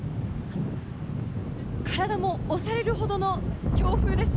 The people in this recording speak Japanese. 体も押されるほどの強風ですね。